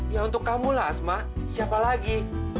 ya untuk kamu lah asma siapa lagi